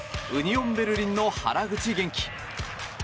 ウニオン・ベルリンの原口元気。